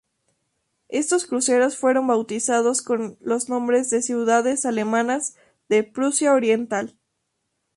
Estos cruceros fueron bautizados con nombres de ciudades alemanas de Prusia Oriental.